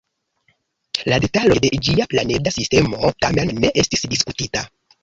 La detaloj de ĝia planeda sistemo, tamen, ne estis diskutita.